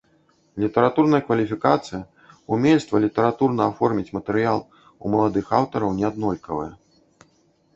Літаратурная кваліфікацыя, умельства літаратурна аформіць матэрыял у маладых аўтараў неаднолькавае.